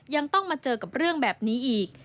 ยังต้องมาเจอกับเรื่องแบบนี้อีก